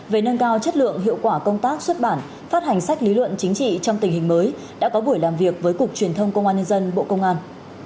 về nâng cao chất lượng hiệu quả công tác xuất bản phát hành sách lý luận chính trị trong tình hình mới đã có buổi làm việc với cục truyền thông công an nhân dân bộ công an